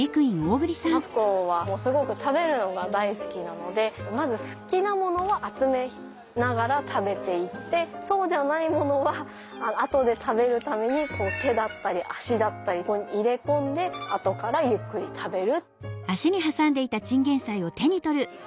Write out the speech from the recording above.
マツコはすごく食べるのが大好きなのでまず好きなものは集めながら食べていってそうじゃないものは後で食べるために手だったり足だったり入れ込んで後からゆっくり食べる。